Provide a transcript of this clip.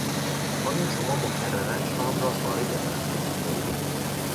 آیا شما مکررا شام را خارج از منزل میخورید؟